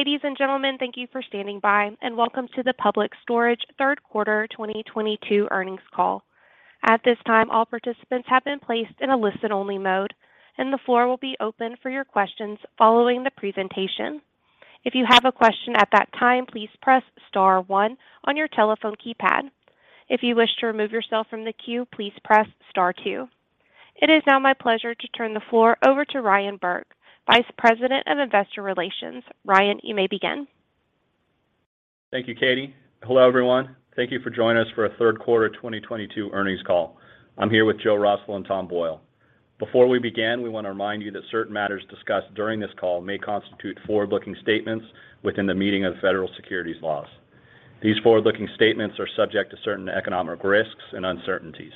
Ladies and gentlemen, thank you for standing by, and welcome to the Public Storage third quarter 2022 earnings call. At this time, all participants have been placed in a listen only mode, and the floor will be open for your questions following the presentation. If you have a question at that time, please press star one on your telephone keypad. If you wish to remove yourself from the queue, please press star two. It is now my pleasure to turn the floor over to Ryan Burke, Vice President of Investor Relations. Ryan, you may begin. Thank you, Katie. Hello, everyone. Thank you for joining us for a third quarter 2022 earnings call. I'm here with Joe Russell and Tom Boyle. Before we begin, we want to remind you that certain matters discussed during this call may constitute forward-looking statements within the meaning of the federal securities laws. These forward-looking statements are subject to certain economic risks and uncertainties.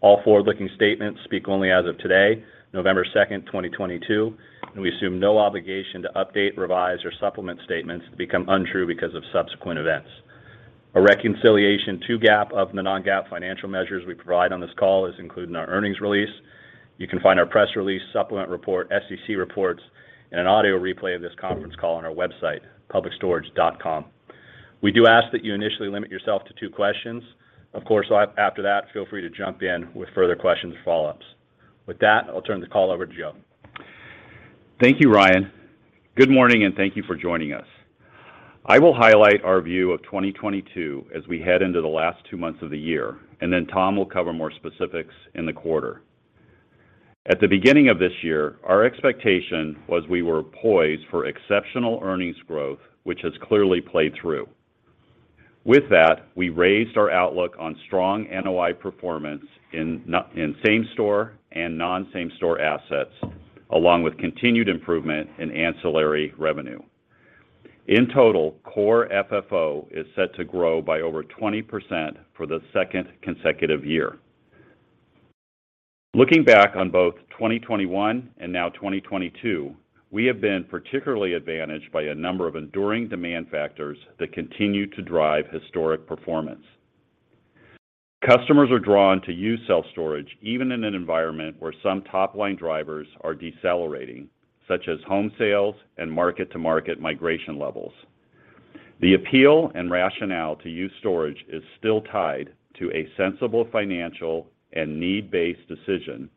All forward-looking statements speak only as of today, November 2nd, 2022, and we assume no obligation to update, revise, or supplement statements that become untrue because of subsequent events. A reconciliation to GAAP of the non-GAAP financial measures we provide on this call is included in our earnings release. You can find our press release, supplement report, SEC reports, and an audio replay of this conference call on our website, publicstorage.com. We do ask that you initially limit yourself to two questions. Of course, after that, feel free to jump in with further questions or follow-ups. With that, I'll turn the call over to Joe. Thank you, Ryan. Good morning, and thank you for joining us. I will highlight our view of 2022 as we head into the last two months of the year, and then Tom will cover more specifics in the quarter. At the beginning of this year, our expectation was we were poised for exceptional earnings growth, which has clearly played through. With that, we raised our outlook on strong NOI performance in same store and non-same store assets, along with continued improvement in ancillary revenue. In total, Core FFO is set to grow by over 20% for the second consecutive year. Looking back on both 2021 and now 2022, we have been particularly advantaged by a number of enduring demand factors that continue to drive historic performance. Customers are drawn to use self-storage even in an environment where some top-line drivers are decelerating, such as home sales and market-to-market migration levels. The appeal and rationale to use storage is still tied to a sensible financial and need-based decision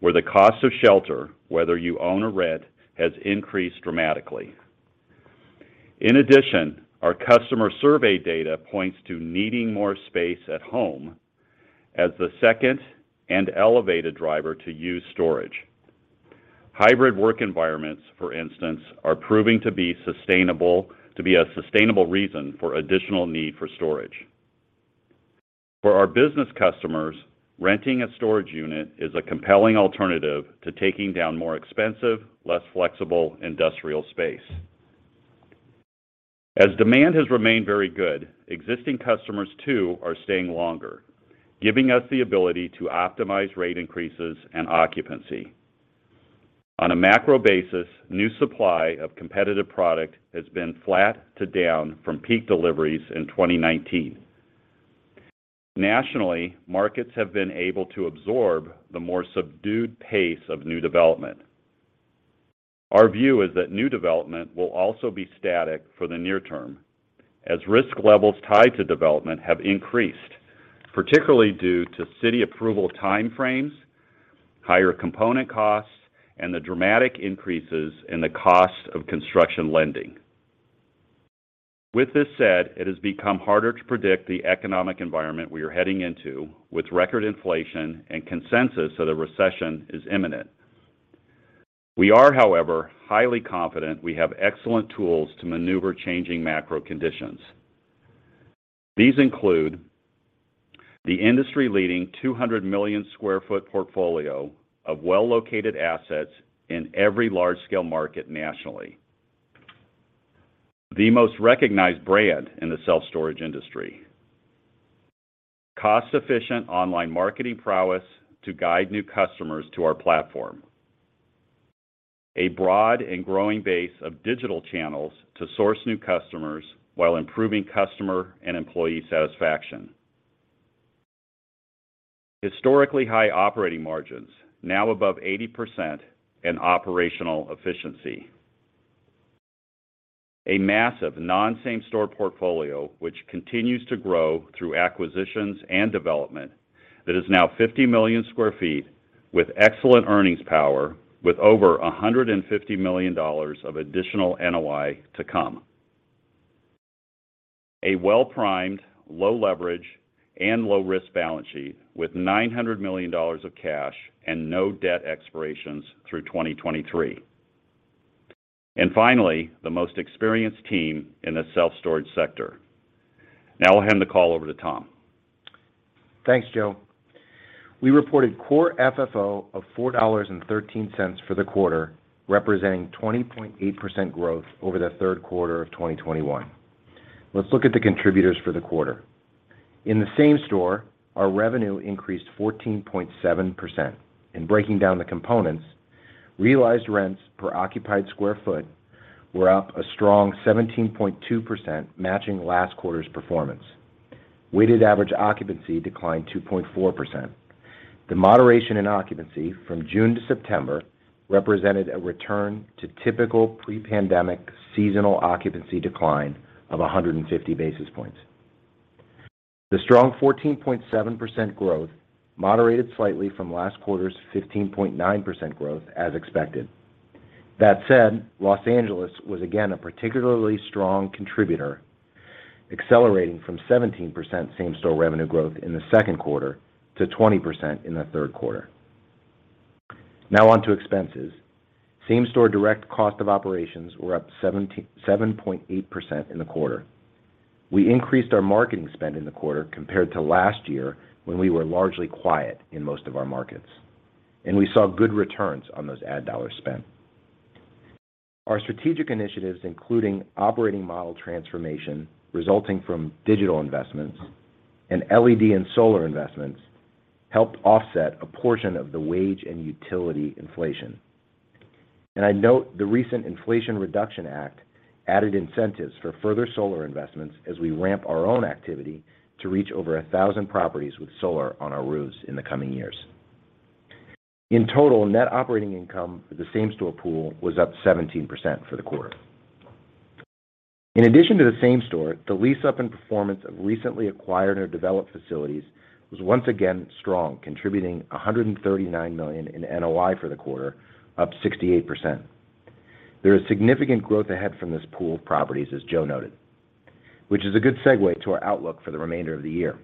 where the cost of shelter, whether you own or rent, has increased dramatically. In addition, our customer survey data points to needing more space at home as the second and elevated driver to use storage. Hybrid work environments, for instance, are proving to be a sustainable reason for additional need for storage. For our business customers, renting a storage unit is a compelling alternative to taking on more expensive, less flexible industrial space. As demand has remained very good, existing customers too are staying longer, giving us the ability to optimize rate increases and occupancy. On a macro basis, new supply of competitive product has been flat to down from peak deliveries in 2019. Nationally, markets have been able to absorb the more subdued pace of new development. Our view is that new development will also be static for the near term as risk levels tied to development have increased, particularly due to city approval time frames, higher component costs, and the dramatic increases in the cost of construction lending. With this said, it has become harder to predict the economic environment we are heading into with record inflation and consensus that a recession is imminent. We are, however, highly confident we have excellent tools to maneuver changing macro conditions. These include the industry-leading 200 million sq ft portfolio of well-located assets in every large-scale market nationally, the most recognized brand in the self-storage industry, cost-efficient online marketing prowess to guide new customers to our platform, a broad and growing base of digital channels to source new customers while improving customer and employee satisfaction, historically high operating margins now above 80% in operational efficiency, a massive non-same store portfolio which continues to grow through acquisitions and development that is now 50 million sq ft with excellent earnings power with over $150 million of additional NOI to come, a well-primed, low leverage and low risk balance sheet with $900 million of cash and no debt expirations through 2023, and finally, the most experienced team in the self-storage sector. Now I'll hand the call over to Tom. Thanks, Joe. We reported Core FFO of $4.13 for the quarter, representing 20.8% growth over the third quarter of 2021. Let's look at the contributors for the quarter. In the same-store, our revenue increased 14.7%. In breaking down the components, realized rents per occupied sq ft were up a strong 17.2%, matching last quarter's performance. Weighted average occupancy declined 2.4%. The moderation in occupancy from June to September represented a return to typical pre-pandemic seasonal occupancy decline of 150 basis points. The strong 14.7% growth moderated slightly from last quarter's 15.9% growth as expected. That said, Los Angeles was again a particularly strong contributor, accelerating from 17% same-store revenue growth in the second quarter to 20% in the third quarter. Now on to expenses. Same-store direct cost of operations were up 77.8% in the quarter. We increased our marketing spend in the quarter compared to last year when we were largely quiet in most of our markets, and we saw good returns on those ad dollars spent. Our strategic initiatives, including operating model transformation resulting from digital investments and LED and solar investments, helped offset a portion of the wage and utility inflation. I note the recent Inflation Reduction Act added incentives for further solar investments as we ramp our own activity to reach over 1,000 properties with solar on our roofs in the coming years. In total, net operating income for the same-store pool was up 17% for the quarter. In addition to the same-store, the lease-up and performance of recently acquired or developed facilities was once again strong, contributing $139 million in NOI for the quarter, up 68%. There is significant growth ahead from this pool of properties, as Joe noted, which is a good segue to our outlook for the remainder of the year.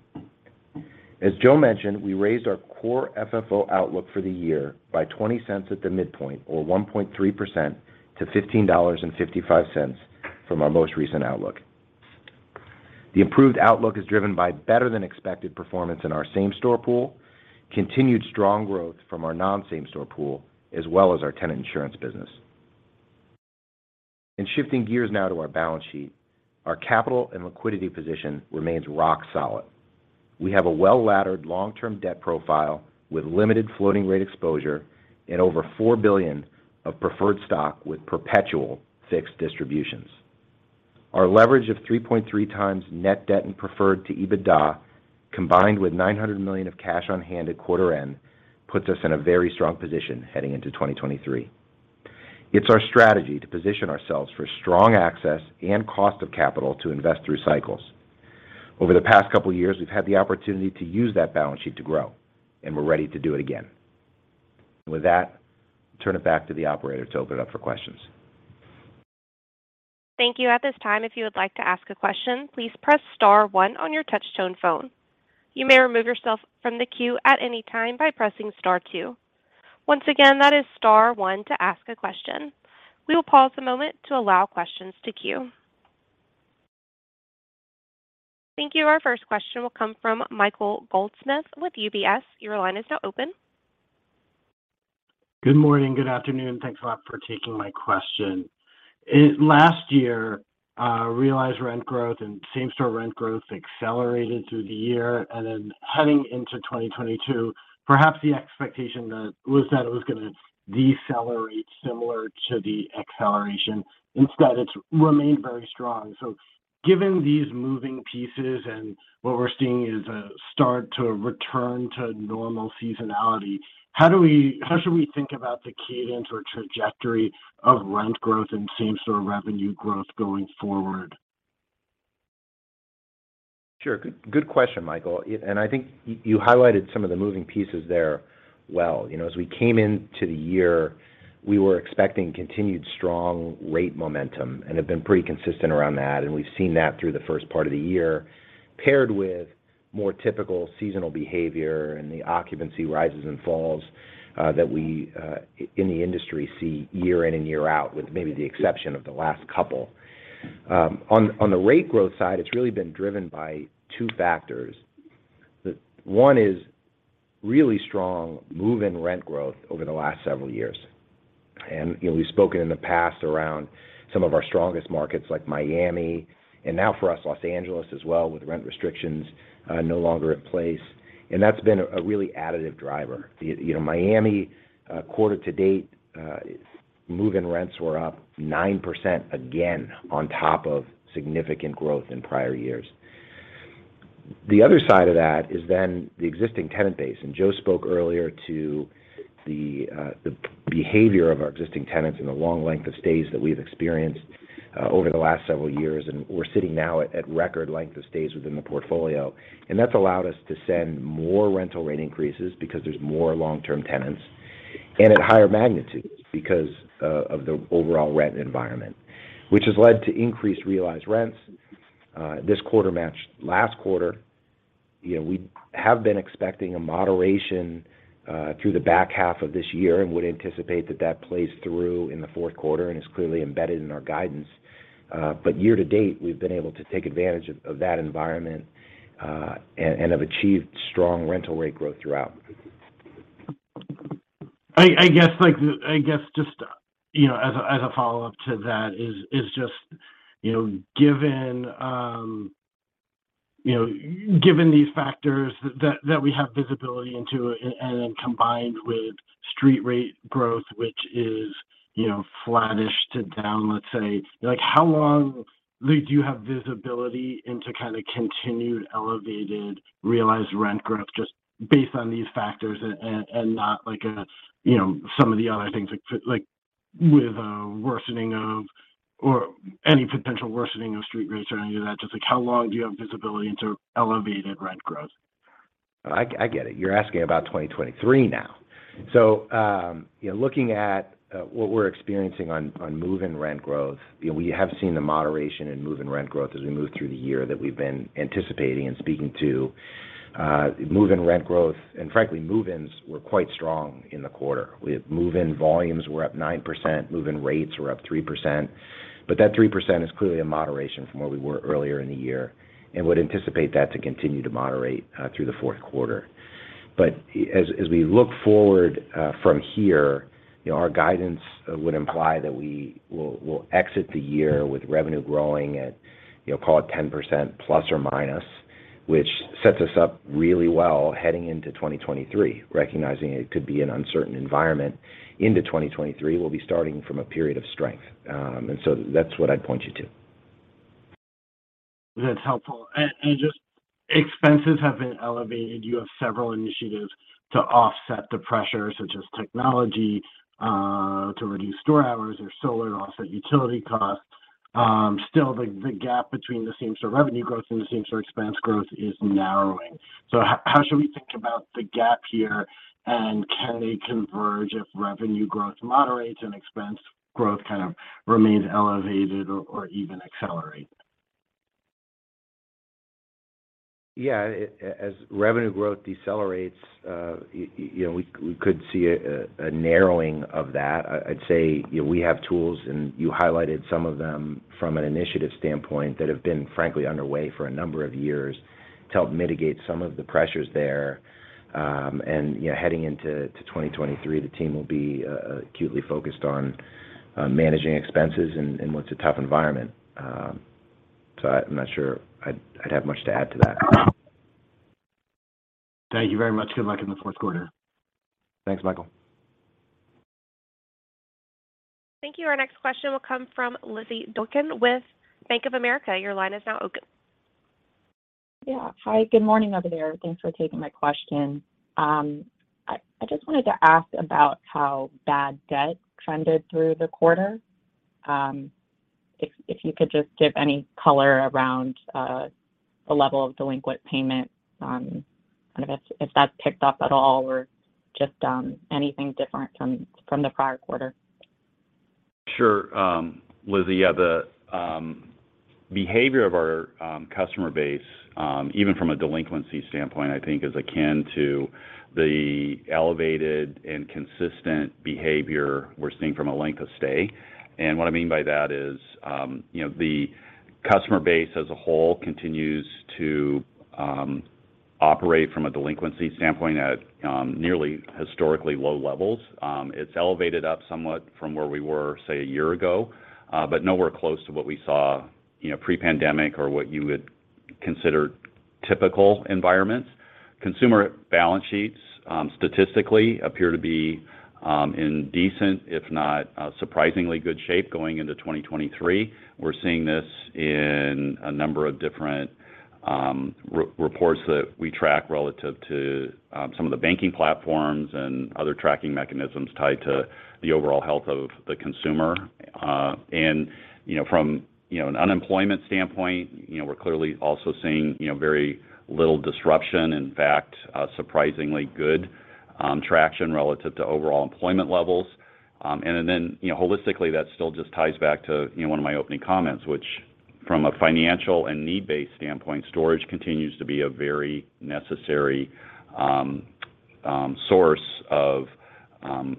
As Joe mentioned, we raised our core FFO outlook for the year by $0.20 at the midpoint or 1.3% to $15.55 from our most recent outlook. The improved outlook is driven by better than expected performance in our same-store pool, continued strong growth from our non-same-store pool, as well as our tenant insurance business. Shifting gears now to our balance sheet, our capital and liquidity position remains rock solid. We have a well-laddered long-term debt profile with limited floating rate exposure and over $4 billion of preferred stock with perpetual fixed distributions. Our leverage of 3.3x net debt and preferred to EBITDA, combined with $900 million of cash on hand at quarter end, puts us in a very strong position heading into 2023. It's our strategy to position ourselves for strong access and cost of capital to invest through cycles. Over the past couple years, we've had the opportunity to use that balance sheet to grow, and we're ready to do it again. With that, turn it back to the operator to open it up for questions. Thank you. At this time, if you would like to ask a question, please press star one on your touchtone phone. You may remove yourself from the queue at any time by pressing star two. Once again, that is star one to ask a question. We will pause a moment to allow questions to queue. Thank you. Our first question will come from Michael Goldsmith with UBS. Your line is now open. Good morning. Good afternoon. Thanks a lot for taking my question. Last year, realized rent growth and same-store rent growth accelerated through the year. Then heading into 2022, perhaps the expectation was that it was gonna decelerate similar to the acceleration. Instead, it's remained very strong. Given these moving pieces and what we're seeing is a start to return to normal seasonality, how should we think about the cadence or trajectory of rent growth and same-store revenue growth going forward? Sure. Good question, Michael. I think you highlighted some of the moving pieces there well. You know, as we came into the year, we were expecting continued strong rate momentum and have been pretty consistent around that, and we've seen that through the first part of the year, paired with more typical seasonal behavior and the occupancy rises and falls that we in the industry see year in and year out, with maybe the exception of the last couple. On the rate growth side, it's really been driven by two factors. One is really strong move-in rent growth over the last several years. You know, we've spoken in the past around some of our strongest markets like Miami and now for us, Los Angeles as well, with rent restrictions no longer in place. That's been a really additive driver. You know, Miami, quarter to date, move-in rents were up 9% again on top of significant growth in prior years. The other side of that is then the existing tenant base, and Joe spoke earlier to the behavior of our existing tenants and the long length of stays that we've experienced over the last several years, and we're sitting now at record length of stays within the portfolio. That's allowed us to send more rental rate increases because there's more long-term tenants and at higher magnitudes because of the overall rent environment, which has led to increased realized rents. This quarter matched last quarter. You know, we have been expecting a moderation through the back half of this year and would anticipate that plays through in the fourth quarter and is clearly embedded in our guidance. Year to date, we've been able to take advantage of that environment and have achieved strong rental rate growth throughout. I guess just, you know, as a follow-up to that is just, you know, given these factors that we have visibility into and then combined with street rate growth, which is, you know, flattish to down, let's say, like, how long do you have visibility into kind of continued elevated realized rent growth just based on these factors and not like a, you know, some of the other things like with a worsening of or any potential worsening of street rates or any of that? Just like, how long do you have visibility into elevated rent growth? I get it. You're asking about 2023 now. You know, looking at what we're experiencing on move-in rent growth, you know, we have seen the moderation in move-in rent growth as we move through the year that we've been anticipating and speaking to. Move-in rent growth, and frankly, move-ins were quite strong in the quarter. We had move-in volumes were up 9%, move-in rates were up 3%. That 3% is clearly a moderation from where we were earlier in the year and would anticipate that to continue to moderate through the fourth quarter. As we look forward from here, you know, our guidance would imply that we will exit the year with revenue growing at, you know, call it 10% ±, which sets us up really well heading into 2023. Recognizing it could be an uncertain environment into 2023, we'll be starting from a period of strength. That's what I'd point you to. That's helpful. Just expenses have been elevated. You have several initiatives to offset the pressure, such as technology to reduce store hours or solar to offset utility costs. Still the gap between the same-store revenue growth and the same-store expense growth is narrowing. How should we think about the gap here, and can they converge if revenue growth moderates and expense growth kind of remains elevated or even accelerate? Yeah. As revenue growth decelerates, you know, we could see a narrowing of that. I'd say, you know, we have tools, and you highlighted some of them from an initiative standpoint that have been frankly underway for a number of years to help mitigate some of the pressures there. You know, heading into 2023, the team will be acutely focused on managing expenses in what's a tough environment. I'm not sure I'd have much to add to that. Thank you very much. Good luck in the fourth quarter. Thanks, Michael. Thank you. Our next question will come from Lizzy Doykan with Bank of America. Your line is now open. Yeah. Hi, good morning over there. Thanks for taking my question. I just wanted to ask about how bad debt trended through the quarter. If you could just give any color around the level of delinquent payment, kind of if that's picked up at all or just anything different from the prior quarter. Sure. Lizzy, yeah, the behavior of our customer base, even from a delinquency standpoint, I think is akin to the elevated and consistent behavior we're seeing from a length of stay. What I mean by that is, you know, the customer base as a whole continues to operate from a delinquency standpoint at nearly historically low levels. It's elevated up somewhat from where we were, say, a year ago, but nowhere close to what we saw, you know, pre-pandemic or what you would consider typical environments. Consumer balance sheets statistically appear to be in decent, if not, surprisingly good shape going into 2023. We're seeing this in a number of different reports that we track relative to some of the banking platforms and other tracking mechanisms tied to the overall health of the consumer. From an unemployment standpoint, you know, we're clearly also seeing, you know, very little disruption, in fact, surprisingly good traction relative to overall employment levels. Holistically, that still just ties back to one of my opening comments, which from a financial and need-based standpoint, storage continues to be a very necessary source of,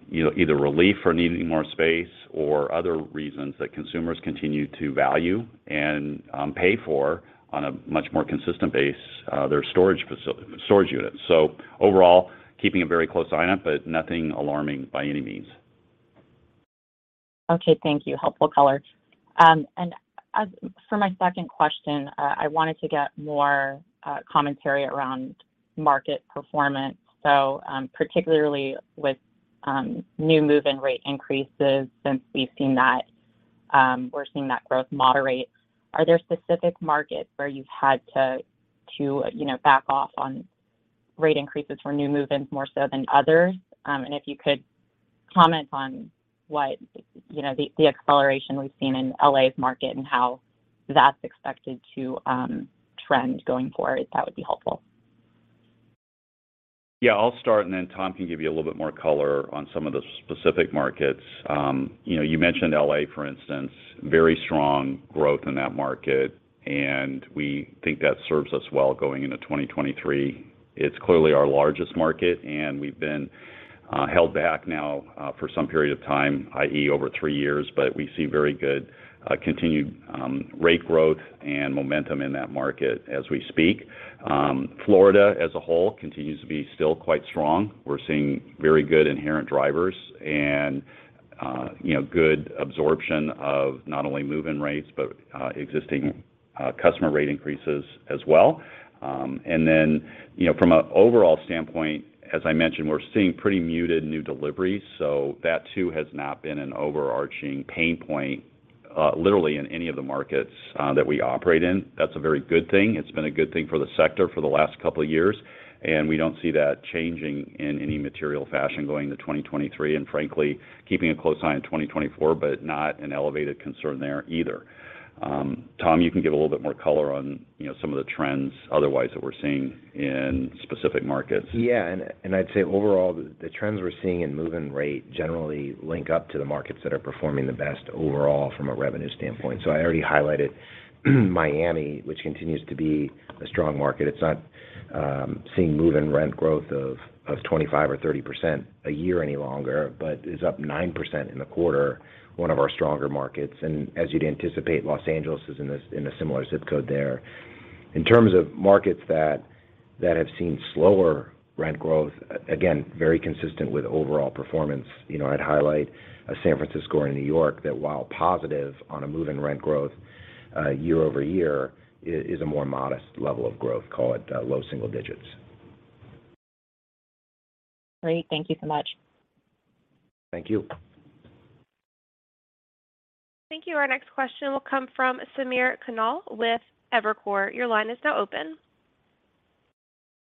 you know, either relief or needing more space or other reasons that consumers continue to value and pay for on a much more consistent basis, their storage units. Overall, keeping a very close eye on it, but nothing alarming by any means. Okay, thank you. Helpful color. And as for my second question, I wanted to get more commentary around market performance. Particularly with new move-in rate increases since we've seen that we're seeing that growth moderate. Are there specific markets where you've had to to you know back off on rate increases for new move-ins more so than others? And if you could comment on what you know the acceleration we've seen in L.A.'s market and how that's expected to trend going forward, that would be helpful. Yeah, I'll start, and then Tom can give you a little bit more color on some of the specific markets. You know, you mentioned L.A., for instance, very strong growth in that market, and we think that serves us well going into 2023. It's clearly our largest market, and we've been held back now for some period of time, i.e., over three years. We see very good continued rate growth and momentum in that market as we speak. Florida as a whole continues to be still quite strong. We're seeing very good inherent drivers and, you know, good absorption of not only move-in rates, but existing customer rate increases as well. you know, from an overall standpoint, as I mentioned, we're seeing pretty muted new deliveries, so that too has not been an overarching pain point, literally in any of the markets that we operate in. That's a very good thing. It's been a good thing for the sector for the last couple of years, and we don't see that changing in any material fashion going to 2023. Frankly, keeping a close eye on 2024, but not an elevated concern there either. Tom, you can give a little bit more color on, you know, some of the trends otherwise that we're seeing in specific markets. Yeah. I'd say overall, the trends we're seeing in move-in rate generally link up to the markets that are performing the best overall from a revenue standpoint. I already highlighted Miami, which continues to be a strong market. It's not seeing move-in rent growth of 25% or 30% a year any longer, but is up 9% in the quarter, one of our stronger markets. As you'd anticipate, Los Angeles is in a similar ZIP code there. In terms of markets that have seen slower rent growth, again, very consistent with overall performance, you know, I'd highlight San Francisco or New York that while positive on a move-in rent growth year-over-year is a more modest level of growth, call it low single digits. Great. Thank you so much. Thank you. Thank you. Our next question will come from Samir Khanal with Evercore. Your line is now open.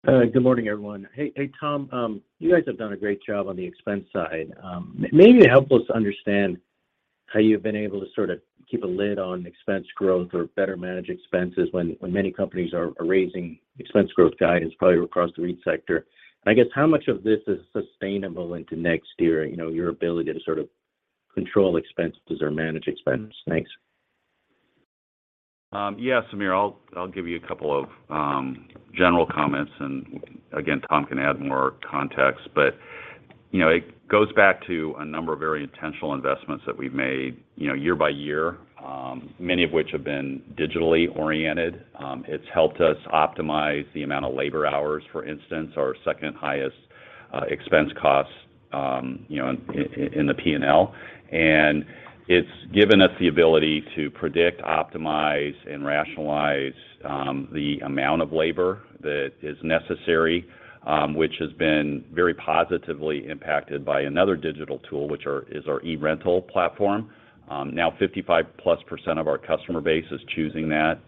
Good morning, everyone. Hey, Tom. You guys have done a great job on the expense side. Maybe help us understand how you've been able to sort of keep a lid on expense growth or better manage expenses when many companies are raising expense growth guidance probably across the REIT sector. I guess how much of this is sustainable into next year, you know, your ability to sort of control expenses or manage expenses? Thanks. Samir, I'll give you a couple of general comments, and again, Tom can add more context. You know, it goes back to a number of very intentional investments that we've made, you know, year by year, many of which have been digitally oriented. It's helped us optimize the amount of labor hours, for instance, our second-highest expense costs, you know, in the P&L. It's given us the ability to predict, optimize, and rationalize the amount of labor that is necessary, which has been very positively impacted by another digital tool, which is our eRental platform. Now 55+% of our customer base is choosing that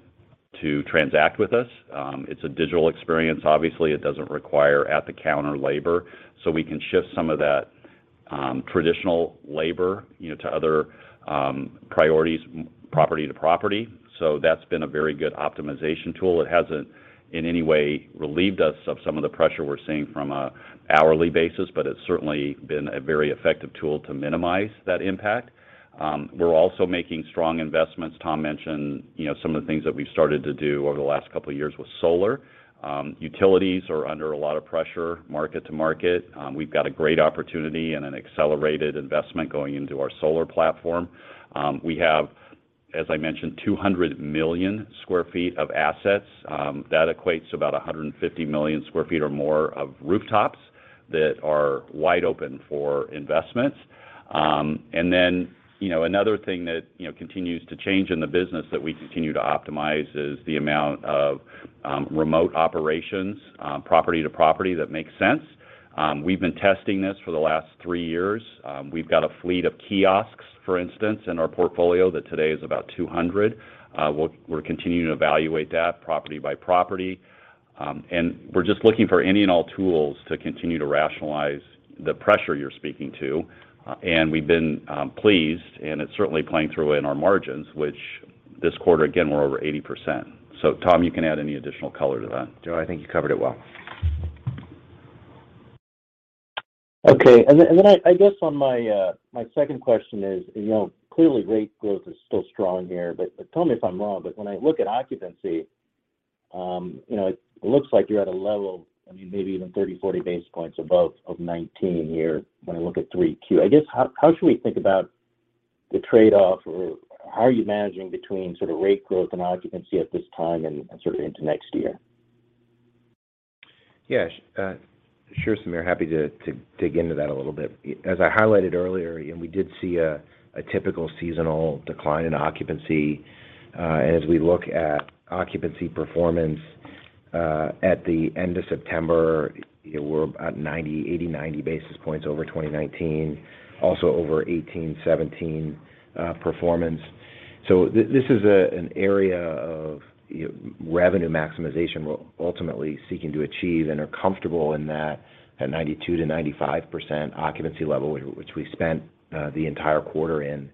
to transact with us. It's a digital experience, obviously. It doesn't require at-the-counter labor, so we can shift some of that, traditional labor, you know, to other, priorities, property to property. That's been a very good optimization tool. It hasn't in any way relieved us of some of the pressure we're seeing from a hourly basis, but it's certainly been a very effective tool to minimize that impact. We're also making strong investments. Tom mentioned, you know, some of the things that we've started to do over the last couple of years with solar. Utilities are under a lot of pressure, market to market. We've got a great opportunity and an accelerated investment going into our solar platform. We have, as I mentioned, 200 million sq ft of assets. That equates to about 150 million sq ft or more of rooftops that are wide open for investments. You know, another thing that, you know, continues to change in the business that we continue to optimize is the amount of remote operations, property to property that makes sense. We've been testing this for the last three years. We've got a fleet of kiosks, for instance, in our portfolio that today is about 200. We're continuing to evaluate that property by property. We're just looking for any and all tools to continue to rationalize the pressure you're speaking to. We've been pleased, and it's certainly playing through in our margins, which this quarter, again, we're over 80%. Tom, you can add any additional color to that. Joe, I think you covered it well. Okay. I guess my second question is, you know, clearly rate growth is still strong here, but tell me if I'm wrong, but when I look at occupancy, you know, it looks like you're at a level of, I mean, maybe even 30-40 basis points above 2019 here when I look at 3Q. I guess, how should we think about the trade-off or how are you managing between sort of rate growth and occupancy at this time and sort of into next year? Yeah, sure, Samir. Happy to dig into that a little bit. As I highlighted earlier, you know, we did see a typical seasonal decline in occupancy. As we look at occupancy performance, at the end of September, you know, we're about 80-90 basis points over 2019, also over 2018, 2017 performance. This is an area of, you know, revenue maximization we're ultimately seeking to achieve and are comfortable in that at 92%-95% occupancy level, which we spent the entire quarter in,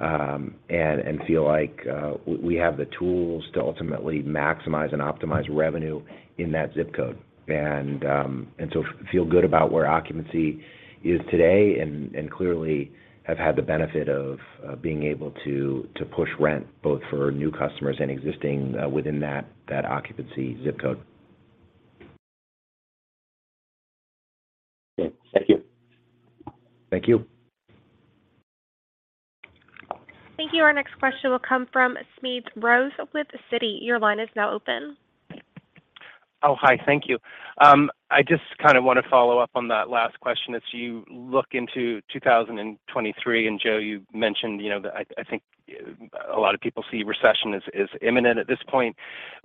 and feel like we have the tools to ultimately maximize and optimize revenue in that zip code. Feel good about where occupancy is today and clearly have had the benefit of being able to push rent both for new customers and existing within that occupancy zip code. Okay. Thank you. Thank you. Thank you. Our next question will come from Smedes Rose with Citi. Your line is now open. Oh, hi. Thank you. I just kind of wanna follow up on that last question. As you look into 2023, and Joe, you mentioned, you know, that I think a lot of people see recession as imminent at this point.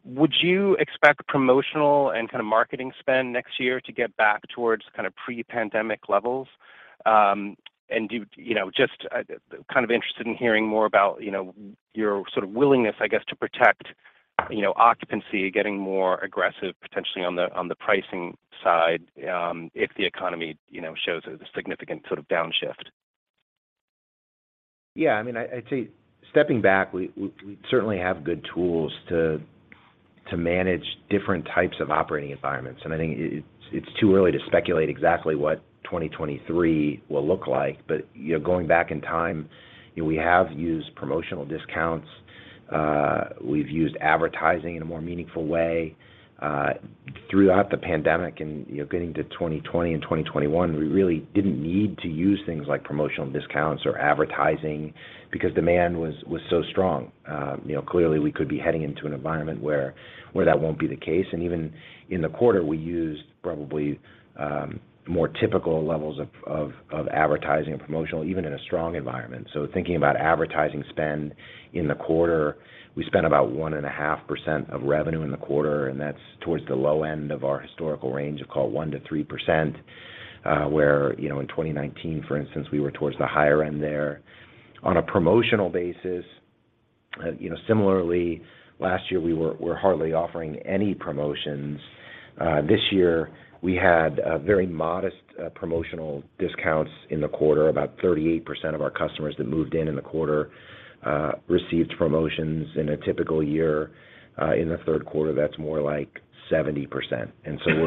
Would you expect promotional and kind of marketing spend next year to get back towards kind of pre-pandemic levels? And do you know, just kind of interested in hearing more about, you know, your sort of willingness, I guess, to protect, you know, occupancy, getting more aggressive potentially on the pricing side, if the economy, you know, shows a significant sort of downshift. Yeah, I mean, I'd say stepping back, we certainly have good tools to manage different types of operating environments. I think it's too early to speculate exactly what 2023 will look like, but you know, going back in time, you know, we have used promotional discounts. We've used advertising in a more meaningful way throughout the pandemic and you know, getting to 2020 and 2021, we really didn't need to use things like promotional discounts or advertising because demand was so strong. You know, clearly we could be heading into an environment where that won't be the case. Even in the quarter, we used probably more typical levels of advertising and promotional, even in a strong environment. Thinking about advertising spend in the quarter, we spent about 1.5% of revenue in the quarter, and that's towards the low end of our historical range of call it 1%-3%, where, you know, in 2019, for instance, we were towards the higher end there. On a promotional basis, you know, similarly, last year we were hardly offering any promotions. This year we had very modest promotional discounts in the quarter. About 38% of our customers that moved in in the quarter received promotions. In a typical year, in the third quarter, that's more like 70%.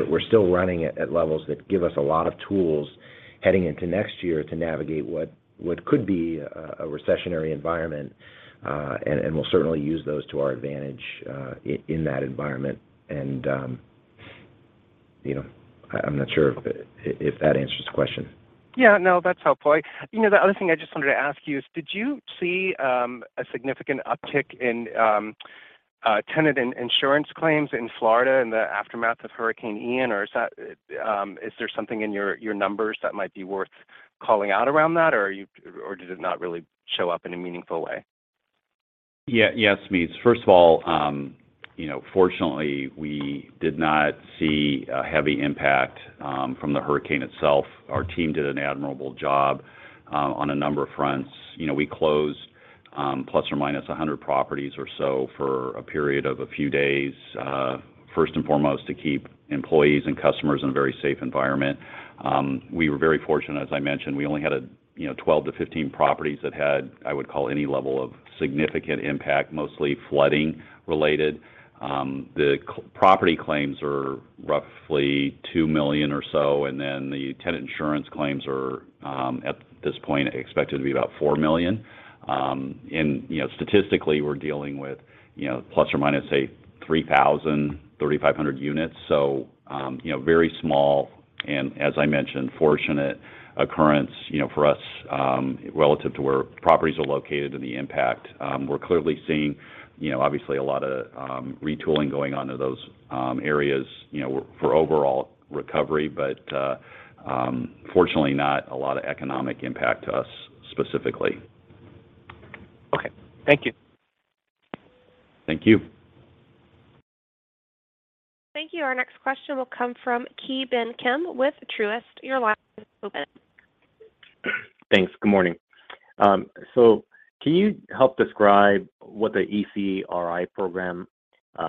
We're still running at levels that give us a lot of tools heading into next year to navigate what could be a recessionary environment, and we'll certainly use those to our advantage in that environment. You know, I'm not sure if that answers the question. Yeah, no, that's helpful. You know, the other thing I just wanted to ask you is, did you see a significant uptick in tenant and insurance claims in Florida in the aftermath of Hurricane Ian, or is there something in your numbers that might be worth calling out around that, or did it not really show up in a meaningful way? Yeah. Yes, Smedes. First of all, you know, fortunately, we did not see a heavy impact from the hurricane itself. Our team did an admirable job on a number of fronts. You know, we closed ±100 properties or so for a period of a few days first and foremost to keep employees and customers in a very safe environment. We were very fortunate, as I mentioned, we only had you know 12-15 properties that had I would call any level of significant impact, mostly flooding related. The property claims are roughly $2 million or so, and then the tenant insurance claims are at this point expected to be about $4 million. You know, statistically, we're dealing with you know plus or minus say 3,000-3,500 units. You know, very small and as I mentioned, fortunate occurrence, you know, for us, relative to where properties are located and the impact. We're clearly seeing, you know, obviously a lot of retooling going on to those areas, you know, for overall recovery, but fortunately not a lot of economic impact to us specifically. Okay. Thank you. Thank you. Thank you. Our next question will come from Ki Bin Kim with Truist. Your line is open. Thanks. Good morning. So can you help describe what the ECRI program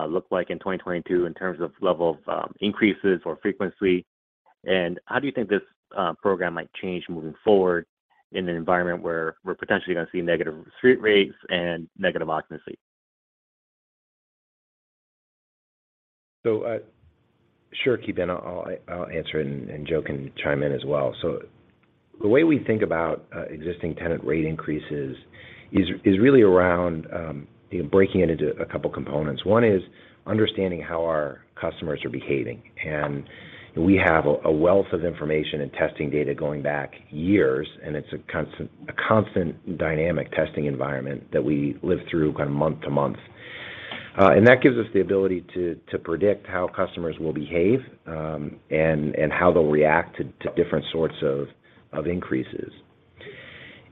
looked like in 2022 in terms of level of increases or frequency? How do you think this program might change moving forward in an environment where we're potentially gonna see negative street rates and negative occupancy? Sure, Ki Bin Kim. I'll answer it, and Joe can chime in as well. The way we think about existing tenant rate increases is really around, you know, breaking it into a couple components. One is understanding how our customers are behaving, and we have a wealth of information and testing data going back years, and it's a constant dynamic testing environment that we live through kind of month to month. And that gives us the ability to predict how customers will behave, and how they'll react to different sorts of increases.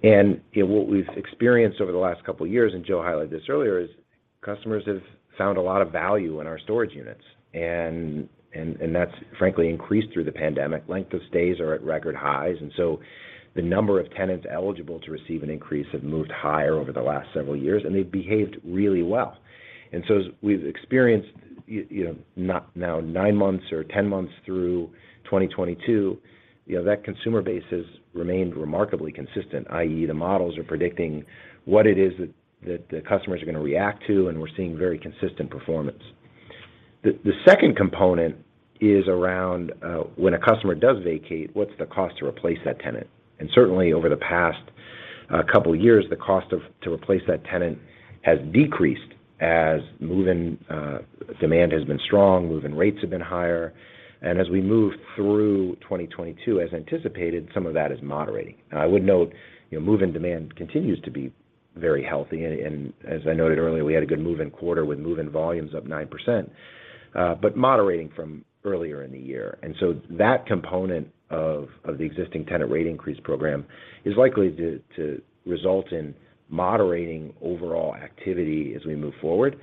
You know, what we've experienced over the last couple years, and Joe highlighted this earlier, is customers have found a lot of value in our storage units, and that's frankly increased through the pandemic. Length of stays are at record highs, and so the number of tenants eligible to receive an increase have moved higher over the last several years, and they've behaved really well. As we've experienced, you know, now nine months or 10 months through 2022, you know, that consumer base has remained remarkably consistent, i.e., the models are predicting what it is that the customers are gonna react to, and we're seeing very consistent performance. The second component is around when a customer does vacate, what's the cost to replace that tenant? Certainly over the past couple years, the cost to replace that tenant has decreased as move-in demand has been strong, move-in rates have been higher. As we move through 2022, as anticipated, some of that is moderating. I would note, you know, move-in demand continues to be very healthy and as I noted earlier, we had a good move-in quarter with move-in volumes up 9%. Moderating from earlier in the year. That component of the existing tenant rate increase program is likely to result in moderating overall activity as we move forward.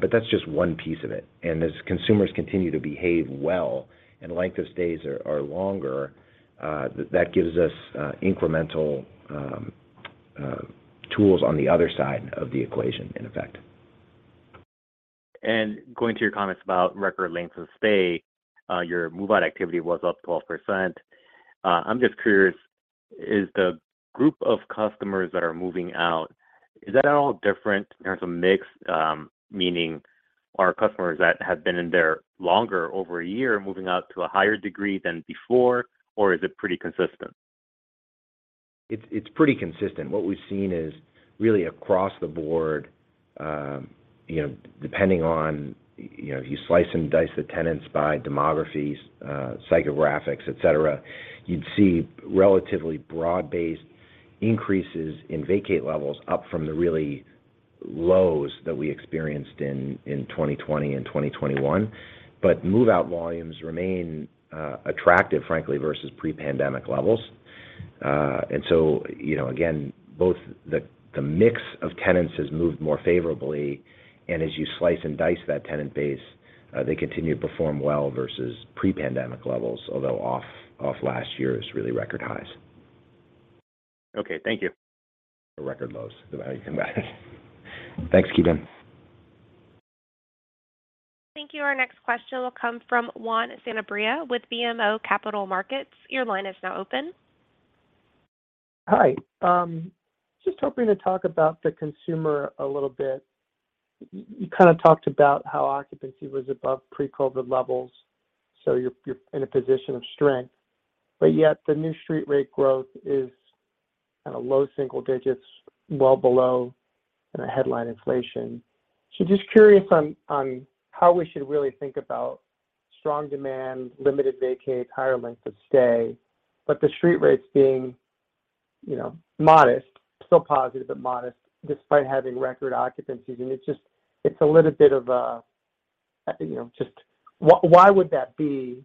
That's just one piece of it. As consumers continue to behave well and length of stays are longer, that gives us incremental tools on the other side of the equation in effect. Going to your comments about record lengths of stay, your move-out activity was up 12%. I'm just curious, is the group of customers that are moving out, is that at all different in terms of mix? Meaning are customers that have been in there longer, over a year, moving out to a higher degree than before, or is it pretty consistent? It's pretty consistent. What we've seen is really across the board, you know, depending on, you know, if you slice and dice the tenants by demographies, psychographics, et cetera, you'd see relatively broad-based increases in vacate levels up from the really lows that we experienced in 2020 and 2021. Move-out volumes remain, attractive, frankly, versus pre-pandemic levels. You know, again, both the mix of tenants has moved more favorably, and as you slice and dice that tenant base, they continue to perform well versus pre-pandemic levels, although off last year's really record highs. Okay, thank you. Record lows, depending how you combine. Thanks, Ki Bin Kim. Thank you. Our next question will come from Juan Sanabria with BMO Capital Markets. Your line is now open. Hi. Just hoping to talk about the consumer a little bit. You kind of talked about how occupancy was above pre-COVID levels, so you're in a position of strength, but yet the new street rate growth is kind of low single digits, well below the headline inflation. Just curious on how we should really think about strong demand, limited vacate, higher length of stay, but the street rates being, you know, modest, still positive, but modest despite having record occupancies. It's just a little bit of a, you know, just why would that be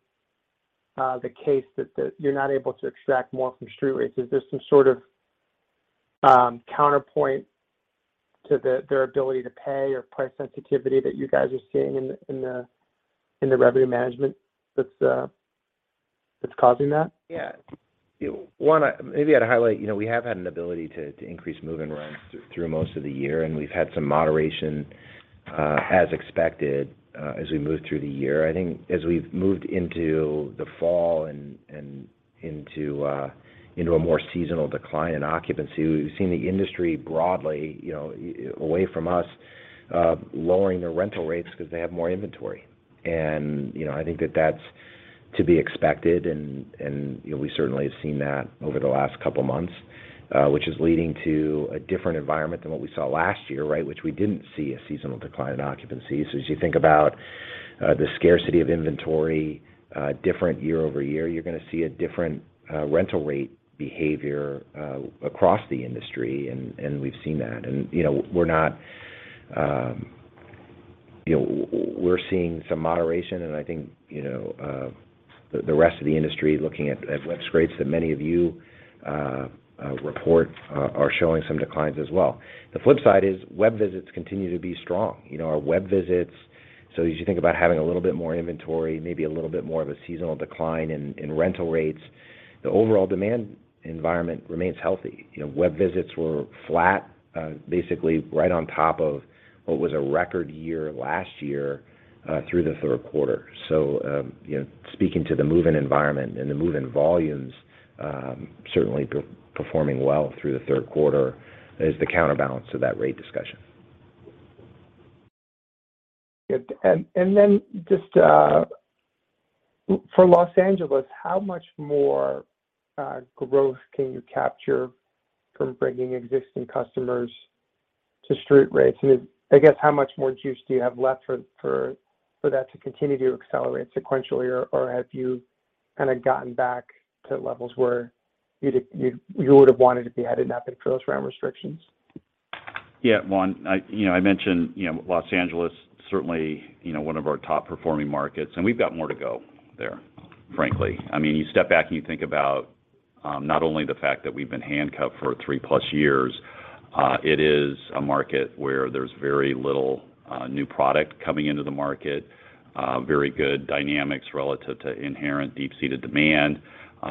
the case that you're not able to extract more from street rates? Is there some sort of counterpoint to their ability to pay or price sensitivity that you guys are seeing in the revenue management that's causing that? Yeah. One, maybe I'd highlight, you know, we have had an ability to increase move-in rents through most of the year, and we've had some moderation, as expected, as we moved through the year. I think as we've moved into the fall and into a more seasonal decline in occupancy, we've seen the industry broadly, you know, away from us, lowering their rental rates because they have more inventory. I think that that's to be expected and, you know, we certainly have seen that over the last couple months, which is leading to a different environment than what we saw last year, right, which we didn't see a seasonal decline in occupancy. As you think about the scarcity of inventory, different year-over-year, you're gonna see a different rental rate behavior across the industry, and we've seen that. You know, we're seeing some moderation, and I think, you know, the rest of the industry looking at web scrapes that many of you report are showing some declines as well. The flip side is web visits continue to be strong. You know, our web visits, so as you think about having a little bit more inventory, maybe a little bit more of a seasonal decline in rental rates, the overall demand environment remains healthy. You know, web visits were flat, basically right on top of what was a record year last year, through the third quarter. You know, speaking to the move-in environment and the move-in volumes, certainly performing well through the third quarter is the counterbalance to that rate discussion. Good. Then just for Los Angeles, how much more growth can you capture from bringing existing customers to street rates? I guess how much more juice do you have left for that to continue to accelerate sequentially, or have you kind of gotten back to levels where you would have wanted to be had it not been for those rent restrictions? Yeah. Well, you know, I mentioned, you know, Los Angeles certainly, you know, one of our top performing markets, and we've got more to go there, frankly. I mean, you step back and you think about, not only the fact that we've been handcuffed for three-plus years, it is a market where there's very little, new product coming into the market, very good dynamics relative to inherent deep-seated demand.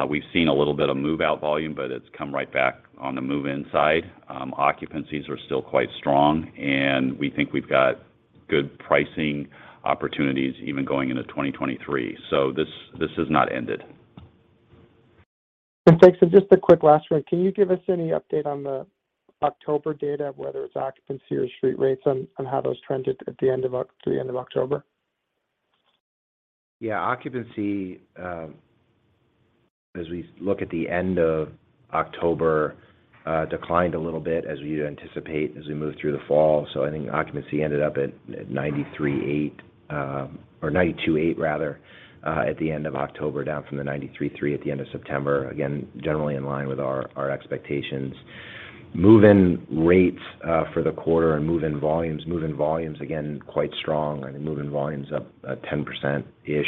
We've seen a little bit of move-out volume, but it's come right back on the move-in side. Occupancies are still quite strong, and we think we've got good pricing opportunities even going into 2023. This has not ended. Thanks. Just a quick last one. Can you give us any update on the October data, whether it's occupancy or street rates, on how those trended through the end of October? Occupancy, as we look at the end of October, declined a little bit as we'd anticipate as we move through the fall. I think occupancy ended up at 93.8%, or 92.8% rather, at the end of October, down from the 93.3% at the end of September. Again, generally in line with our expectations. Move-in rates for the quarter and move-in volumes. Move-in volumes, again, quite strong. I think move-in volume's up 10%-ish.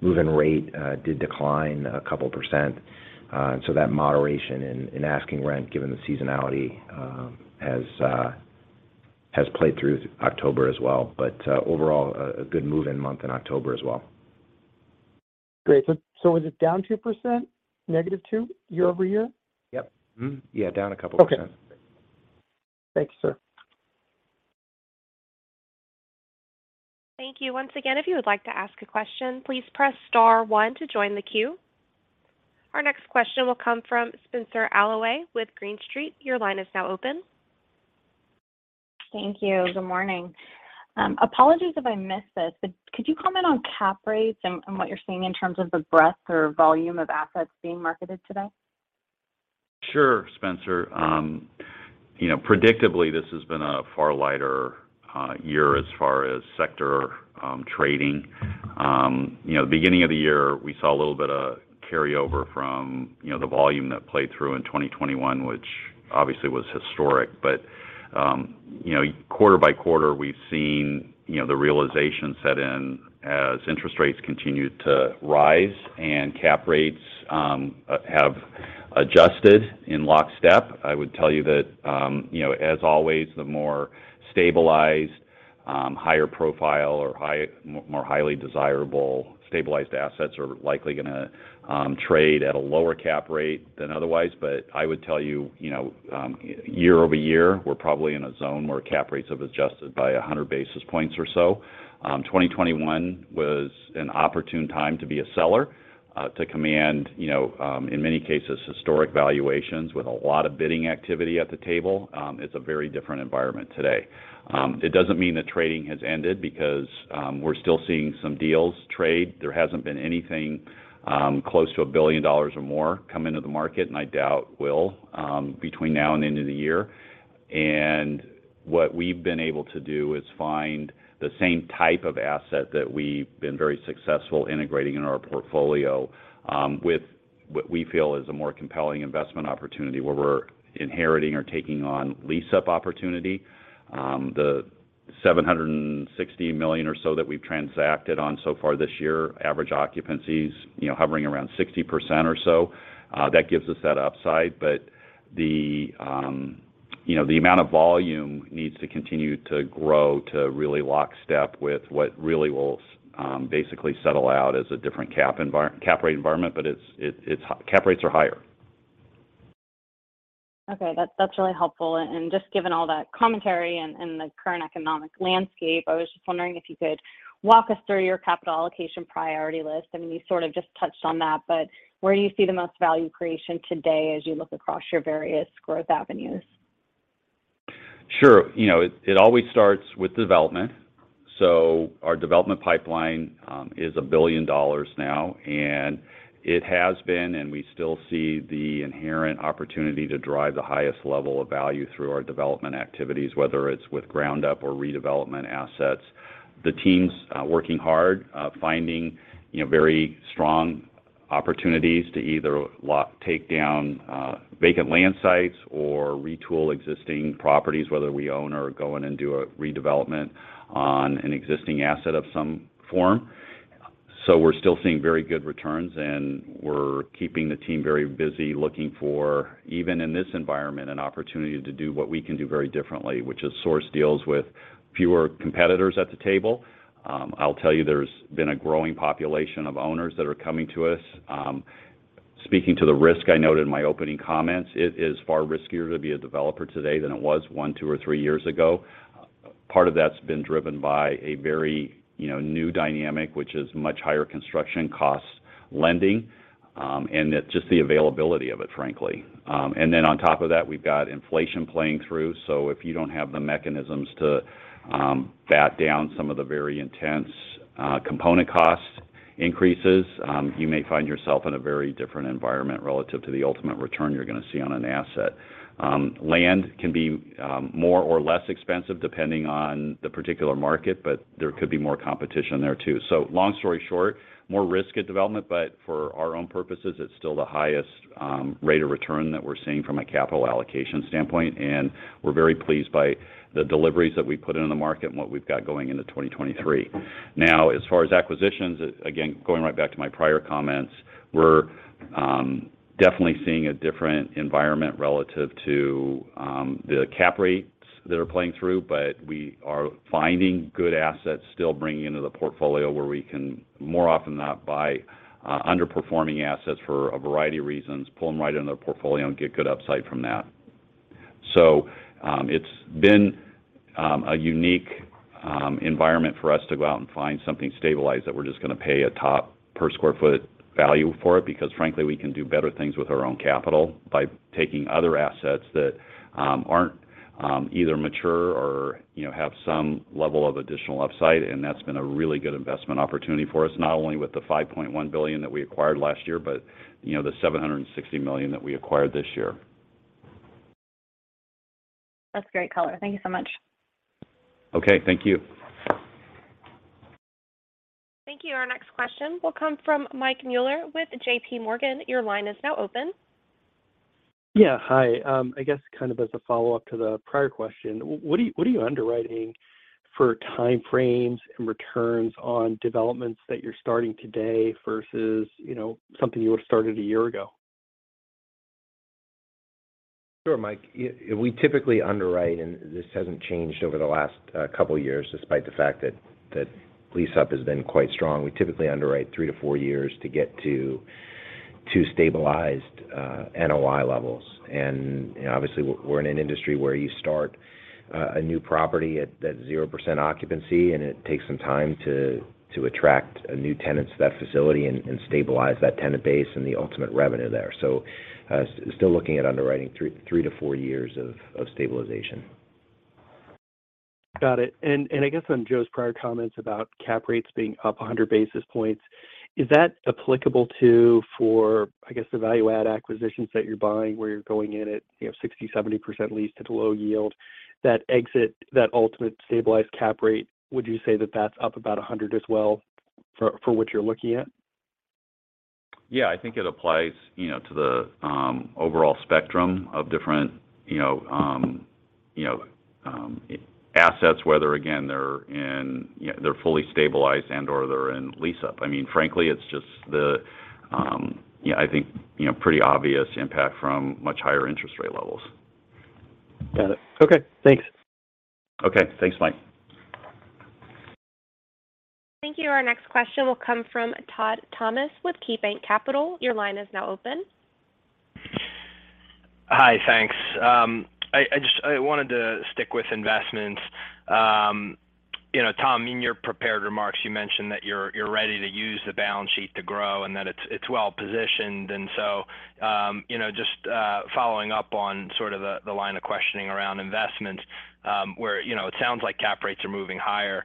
Move-in rate did decline a couple%, and so that moderation in asking rent, given the seasonality, has played through October as well. Overall, a good move-in month in October as well. Great. Is it down 2%, -2% year-over-year? Yep. Mm-hmm. Yeah, down a couple percent. Okay. Thank you, sir. Thank you. Once again, if you would like to ask a question, please press star one to join the queue. Our next question will come from Spenser Allaway with Green Street. Your line is now open. Thank you. Good morning. Apologies if I missed this, but could you comment on cap rates and what you're seeing in terms of the breadth or volume of assets being marketed today? Sure, Spenser. You know, predictably, this has been a far lighter year as far as sector trading. You know, beginning of the year, we saw a little bit of carryover from you know, the volume that played through in 2021, which obviously was historic. You know, quarter-by-quarter, we've seen you know, the realization set in as interest rates continued to rise and cap rates have adjusted in lockstep. I would tell you that you know, as always, the more stabilized higher profile or more highly desirable stabilized assets are likely gonna trade at a lower cap rate than otherwise. I would tell you you know, year-over-year, we're probably in a zone where cap rates have adjusted by 100 basis points or so. 2021 was an opportune time to be a seller, to command, you know, in many cases, historic valuations with a lot of bidding activity at the table. It's a very different environment today. It doesn't mean that trading has ended because we're still seeing some deals trade. There hasn't been anything close to $1 billion or more come into the market, and I doubt will between now and the end of the year. What we've been able to do is find the same type of asset that we've been very successful integrating in our portfolio, with what we feel is a more compelling investment opportunity where we're inheriting or taking on lease-up opportunity. The $760 million or so that we've transacted on so far this year, average occupancies, you know, hovering around 60% or so. That gives us that upside. The amount of volume needs to continue to grow to really lockstep with what really will basically settle out as a different cap rate environment, but it's cap rates are higher. Okay. That's really helpful. Just given all that commentary and the current economic landscape, I was just wondering if you could walk us through your capital allocation priority list. I mean, you sort of just touched on that, but where do you see the most value creation today as you look across your various growth avenues? Sure. You know, it always starts with development. Our development pipeline is $1 billion now, and it has been, and we still see the inherent opportunity to drive the highest level of value through our development activities, whether it's with ground-up or redevelopment assets. The team's working hard, finding, you know, very strong opportunities to either take down vacant land sites or retool existing properties, whether we own or go in and do a redevelopment on an existing asset of some form. We're still seeing very good returns, and we're keeping the team very busy looking for, even in this environment, an opportunity to do what we can do very differently, which is source deals with fewer competitors at the table. I'll tell you there's been a growing population of owners that are coming to us. Speaking to the risk I noted in my opening comments, it is far riskier to be a developer today than it was one, two, or three years ago. Part of that's been driven by a very, you know, new dynamic, which is much higher construction costs lending, and it's just the availability of it, frankly. On top of that, we've got inflation playing through. If you don't have the mechanisms to bat down some of the very intense, component cost increases, you may find yourself in a very different environment relative to the ultimate return you're gonna see on an asset. Land can be more or less expensive depending on the particular market, but there could be more competition there too. Long story short, more risk at development, but for our own purposes, it's still the highest rate of return that we're seeing from a capital allocation standpoint, and we're very pleased by the deliveries that we put into the market and what we've got going into 2023. Now, as far as acquisitions, again, going right back to my prior comments, we're definitely seeing a different environment relative to the cap rates that are playing through. We are finding good assets still bringing into the portfolio where we can more often than not buy underperforming assets for a variety of reasons, pull them right into the portfolio and get good upside from that. It's been a unique environment for us to go out and find something stabilized that we're just gonna pay a top per square foot value for it because frankly, we can do better things with our own capital by taking other assets that aren't either mature or, you know, have some level of additional upside, and that's been a really good investment opportunity for us, not only with the $5.1 billion that we acquired last year, but, you know, the $760 million that we acquired this year. That's great color. Thank you so much. Okay. Thank you. Thank you. Our next question will come from Mike Mueller with JPMorgan. Your line is now open. Yeah. Hi. I guess kind of as a follow-up to the prior question, what are you underwriting for time frames and returns on developments that you're starting today versus, you know, something you would've started a year ago? Sure, Mike. We typically underwrite, and this hasn't changed over the last couple years despite the fact that lease-up has been quite strong. We typically underwrite three-four years to get to stabilized NOI levels. You know, obviously we're in an industry where you start a new property at 0% occupancy, and it takes some time to attract new tenants to that facility and stabilize that tenant base and the ultimate revenue there. Still looking at underwriting three-four years of stabilization. Got it. I guess on Joe's prior comments about cap rates being up 100 basis points, is that applicable to, for, I guess, the value-add acquisitions that you're buying, where you're going in at, you know, 60%-70% leased, low yield, that exit, that ultimate stabilized cap rate? Would you say that that's up about 100% as well for what you're looking at? Yeah. I think it applies, you know, to the overall spectrum of different assets, whether, again, they're in, you know, they're fully stabilized and/or they're in lease-up. I mean, frankly, it's just the, you know, I think, you know, pretty obvious impact from much higher interest rate levels. Got it. Okay. Thanks. Okay. Thanks, Mike. Thank you. Our next question will come from Todd Thomas with KeyBanc Capital. Your line is now open. Hi. Thanks. I wanted to stick with investments. You know, Tom, in your prepared remarks, you mentioned that you're ready to use the balance sheet to grow and that it's well-positioned. You know, just following up on sort of the line of questioning around investments, where you know, it sounds like cap rates are moving higher,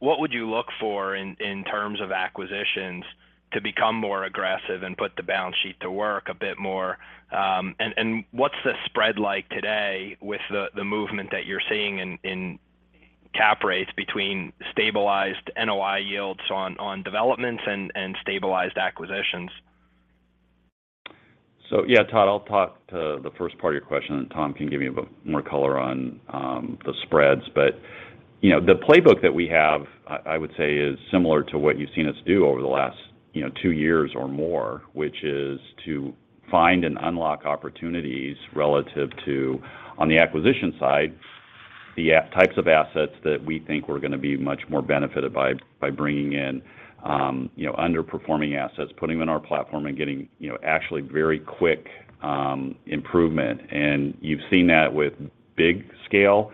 what would you look for in terms of acquisitions to become more aggressive and put the balance sheet to work a bit more? And what's the spread like today with the movement that you're seeing in cap rates between stabilized NOI yields on developments and stabilized acquisitions? Yeah, Todd, I'll talk to the first part of your question, and Tom can give you a bit more color on the spreads. You know, the playbook that we have, I would say is similar to what you've seen us do over the last, you know, two years or more, which is to find and unlock opportunities relative to, on the acquisition side, the types of assets that we think we're gonna be much more benefited by bringing in, you know, underperforming assets, putting them in our platform and getting, you know, actually very quick improvement. You've seen that with big scale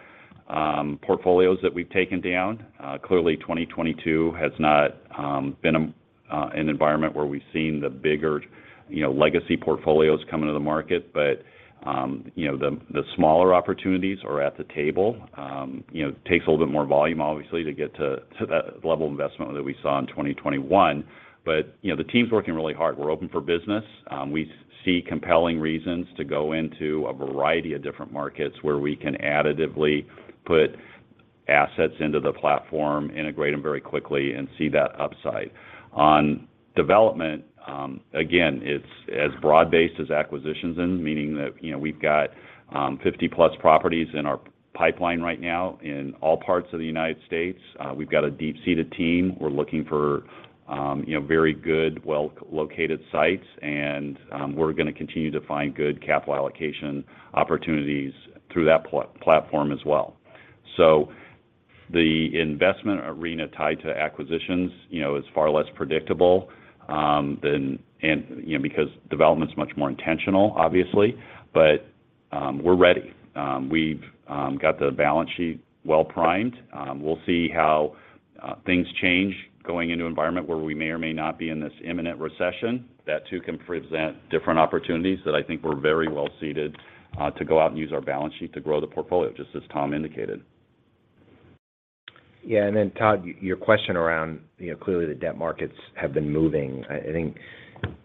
portfolios that we've taken down. Clearly 2022 has not been an environment where we've seen the bigger, you know, legacy portfolios come into the market. You know, the smaller opportunities are at the table. You know, it takes a little bit more volume obviously to get to that level of investment that we saw in 2021. You know, the team's working really hard. We're open for business. We see compelling reasons to go into a variety of different markets where we can additively put assets into the platform, integrate them very quickly, and see that upside. On development, again, it's as broad-based as acquisitions is, meaning that, you know, we've got 50+ properties in our pipeline right now in all parts of the United States. We've got a deep-seated team. We're looking for, you know, very good, well-located sites, and we're gonna continue to find good capital allocation opportunities through that platform as well. The investment arena tied to acquisitions, you know, is far less predictable than, you know, because development's much more intentional, obviously. We're ready. We've got the balance sheet well primed. We'll see how things change going into environment where we may or may not be in this imminent recession. That too can present different opportunities that I think we're very well seated to go out and use our balance sheet to grow the portfolio, just as Tom indicated. Yeah. Then Todd, your question around, you know, clearly the debt markets have been moving. I think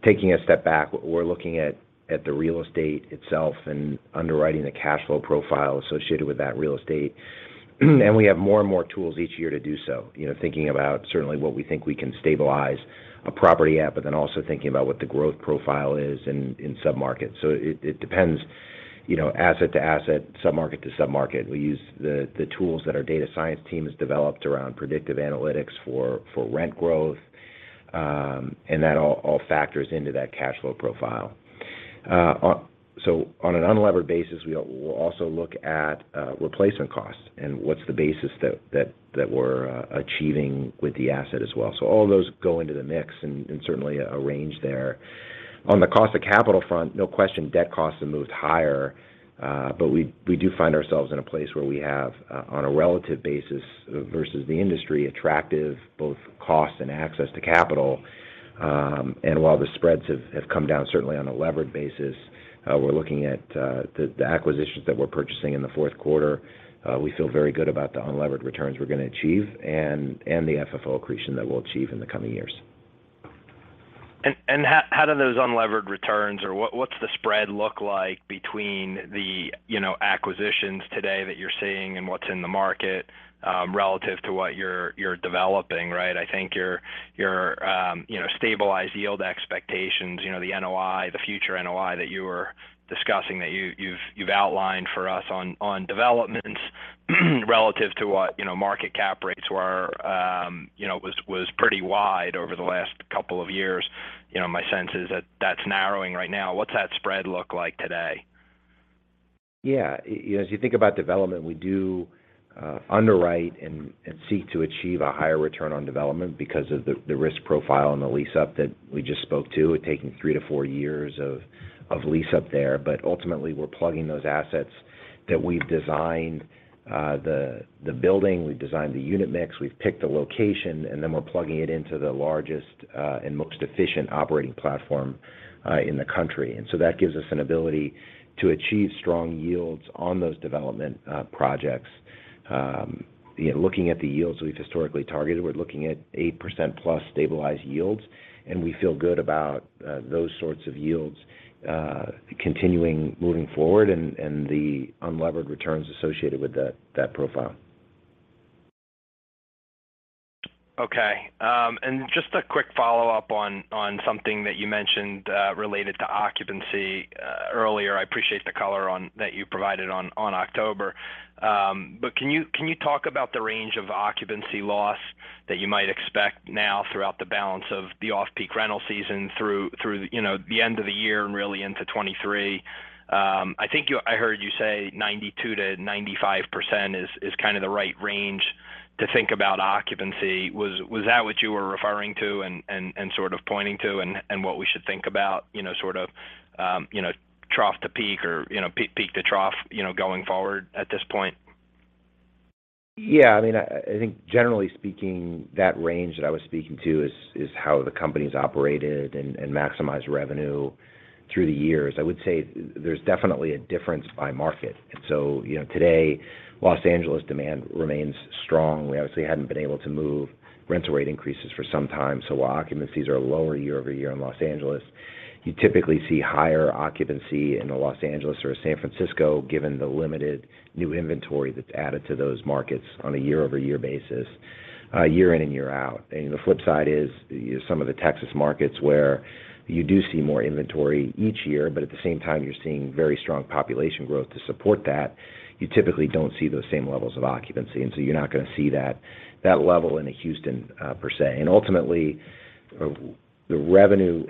taking a step back, we're looking at the real estate itself and underwriting the cash flow profile associated with that real estate. We have more and more tools each year to do so, you know, thinking about certainly what we think we can stabilize a property at, but then also thinking about what the growth profile is in submarkets. It depends, you know, asset to asset, submarket to submarket. We use the tools that our data science team has developed around predictive analytics for rent growth, and that all factors into that cash flow profile. On an unlevered basis, we'll also look at replacement costs and what's the basis that we're achieving with the asset as well. All of those go into the mix and certainly a range there. On the cost of capital front, no question, debt costs have moved higher. We do find ourselves in a place where we have on a relative basis versus the industry, attractive both cost and access to capital. While the spreads have come down, certainly on a levered basis, we're looking at the acquisitions that we're purchasing in the fourth quarter. We feel very good about the unlevered returns we're gonna achieve and the FFO accretion that we'll achieve in the coming years. How do those unlevered returns or what's the spread look like between the, you know, acquisitions today that you're seeing and what's in the market, relative to what you're developing, right? I think your stabilized yield expectations, you know, the NOI, the future NOI that you were discussing, that you've outlined for us on developments relative to what, you know, market cap rates were, was pretty wide over the last couple of years. You know, my sense is that that's narrowing right now. What's that spread look like today? Yeah. You know, as you think about development, we do underwrite and seek to achieve a higher return on development because of the risk profile and the lease up that we just spoke to, it taking three-four years of lease up there. Ultimately, we're plugging those assets that we've designed, the building, we've designed the unit mix, we've picked the location, and then we're plugging it into the largest and most efficient operating platform in the country. That gives us an ability to achieve strong yields on those development projects. Looking at the yields we've historically targeted, we're looking at 8%+ stabilized yields, and we feel good about those sorts of yields continuing moving forward and the unlevered returns associated with that profile. Okay. Just a quick follow-up on something that you mentioned related to occupancy earlier. I appreciate the color on that you provided on October. But can you talk about the range of occupancy loss that you might expect now throughout the balance of the off-peak rental season through you know the end of the year and really into 2023? I think I heard you say 92%-95% is kinda the right range to think about occupancy. Was that what you were referring to and sort of pointing to in what we should think about, you know, sort of, you know, trough to peak or, you know, peak to trough, you know, going forward at this point? Yeah, I mean, I think generally speaking, that range that I was speaking to is how the company's operated and maximize revenue through the years. I would say there's definitely a difference by market. You know, today, Los Angeles demand remains strong. We obviously hadn't been able to move rental rate increases for some time, so our occupancies are lower year-over-year in Los Angeles. You typically see higher occupancy in a Los Angeles or a San Francisco, given the limited new inventory that's added to those markets on a year-over-year basis, year in and year out. The flip side is some of the Texas markets where you do see more inventory each year, but at the same time, you're seeing very strong population growth to support that. You typically don't see those same levels of occupancy, and so you're not gonna see that level in, say, Houston per se. Ultimately, the revenue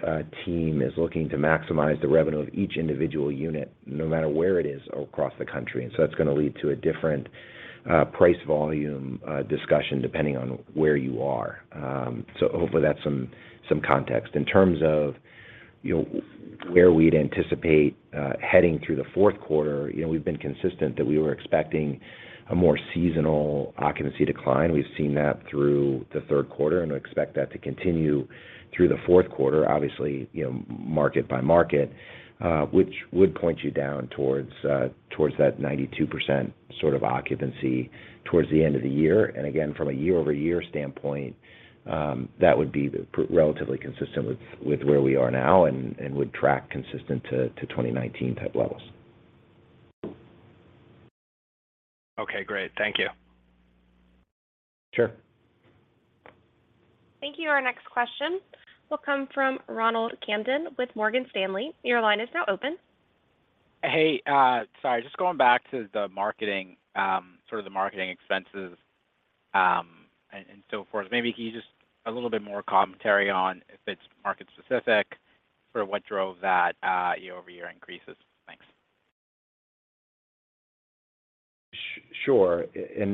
team is looking to maximize the revenue of each individual unit, no matter where it is across the country. That's gonna lead to a different price volume discussion depending on where you are. So hopefully that's some context. In terms of, you know, where we'd anticipate heading through the fourth quarter, you know, we've been consistent that we were expecting a more seasonal occupancy decline. We've seen that through the third quarter and expect that to continue through the fourth quarter, obviously, you know, market by market, which would point you down towards that 92% sort of occupancy towards the end of the year. Again, from a year-over-year standpoint, that would be relatively consistent with where we are now and would track consistent to 2019 type levels. Okay, great. Thank you. Sure. Thank you. Our next question will come from Ronald Kamdem with Morgan Stanley. Your line is now open. Hey, sorry, just going back to the marketing, sort of the marketing expenses, and so forth. Maybe can you just a little bit more commentary on if it's market specific, sort of what drove that, year-over-year increases? Thanks. Sure. You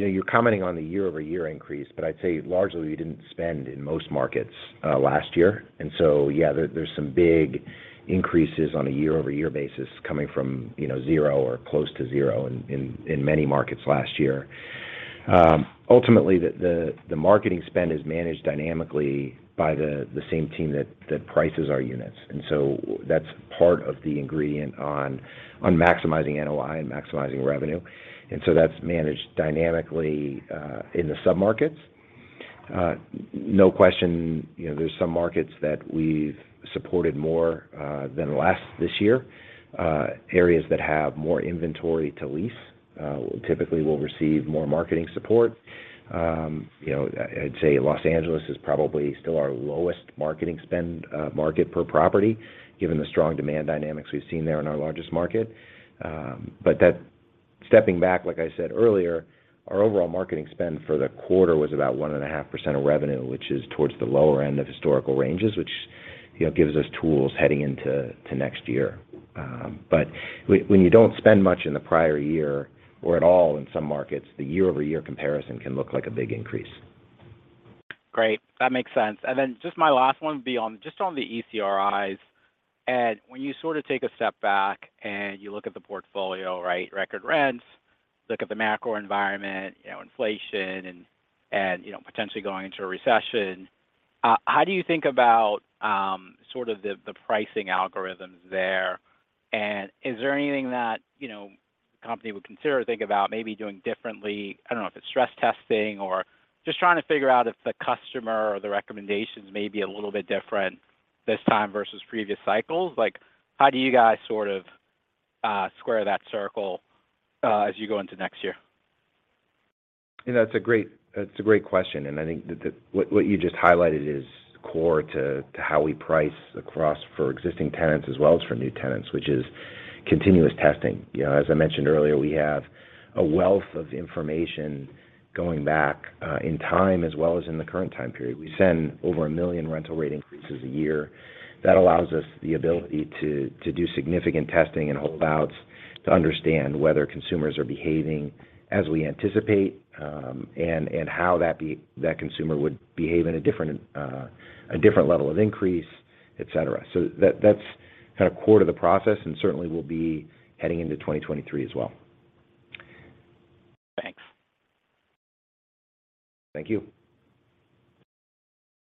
know, you're commenting on the year-over-year increase, but I'd say largely we didn't spend in most markets last year. Yeah, there's some big increases on a year-over-year basis coming from, you know, zero or close to zero in many markets last year. Ultimately, the marketing spend is managed dynamically by the same team that prices our units. That's part of the ingredient on maximizing NOI and maximizing revenue. That's managed dynamically in the submarkets. No question, you know, there's some markets that we've supported more than last year, this year. Areas that have more inventory to lease typically will receive more marketing support. You know, I'd say Los Angeles is probably still our lowest marketing spend market per property, given the strong demand dynamics we've seen there in our largest market. Stepping back, like I said earlier, our overall marketing spend for the quarter was about 1.5% of revenue, which is towards the lower end of historical ranges, which, you know, gives us tools heading into next year. When you don't spend much in the prior year or at all in some markets, the year-over-year comparison can look like a big increase. Great, that makes sense. Just my last one would be on just on the ECRIs. Joe, when you sort of take a step back and you look at the portfolio, right, record rents, look at the macro environment, you know, inflation and you know, potentially going into a recession, how do you think about sort of the pricing algorithms there? Is there anything that, you know, the company would consider or think about maybe doing differently? I don't know if it's stress testing or just trying to figure out if the customer or the recommendations may be a little bit different this time versus previous cycles. Like, how do you guys sort of square that circle as you go into next year? You know, that's a great question, and I think that what you just highlighted is core to how we price across for existing tenants as well as for new tenants, which is continuous testing. You know, as I mentioned earlier, we have a wealth of information going back in time as well as in the current time period. We send over 1 million rental rate increases a year. That allows us the ability to do significant testing and holdouts to understand whether consumers are behaving as we anticipate, and how that consumer would behave in a different level of increase, et cetera. That's kind of core to the process and certainly will be heading into 2023 as well. Thanks. Thank you.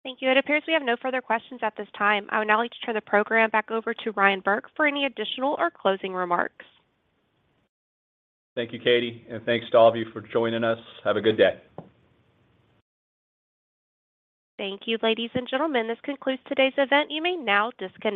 Thank you. It appears we have no further questions at this time. I would now like to turn the program back over to Ryan Burke for any additional or closing remarks. Thank you, Katie, and thanks to all of you for joining us. Have a good day. Thank you, ladies and gentlemen. This concludes today's event. You may now disconnect.